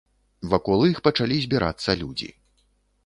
Вакол іх пачалі збірацца людзі.